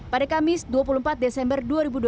pada kamis dua puluh empat desember dua ribu dua puluh